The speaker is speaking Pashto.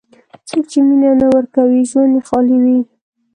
څوک چې مینه نه ورکوي، ژوند یې خالي وي.